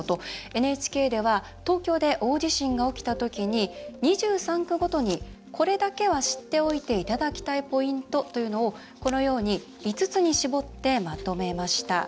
ＮＨＫでは東京で大地震が起きた時に２３区ごとに、これだけは知っておいていただきたいポイントというのをこのように５つに絞ってまとめました。